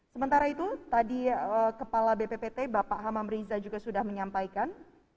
sementara itu tadi kepala bppt bapak hamam riza juga sudah menyampaikan